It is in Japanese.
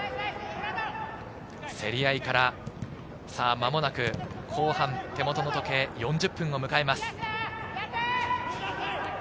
競り合いから間もなく後半、手元の時計で４０分を迎えます。